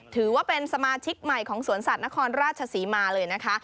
ถือว่าเป็นสมาชิกใหม่ของสวนสัตว์นครราชศรีมาเลยนะคะ